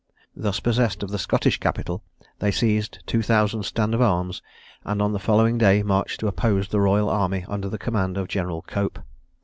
Thus possessed of the Scottish capital, they seized two thousand stand of arms, and on the following day marched to oppose the royal army under the command of General Cope.